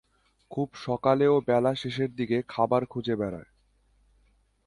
খুব সকালে ও বেলা শেষের দিকে খাবার খুঁজে বেড়ায়।